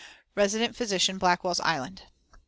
Resident Physician, Blackwell's Island."